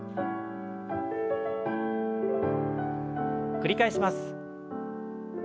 繰り返します。